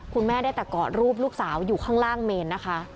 คุณแม่ได้แต่กอดรูปลูกสาวอยู่ข้างล่างเมนนะคะ